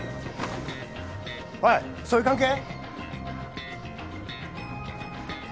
おいそういう関係？